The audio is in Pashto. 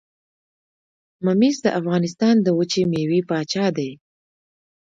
ممیز د افغانستان د وچې میوې پاچا دي.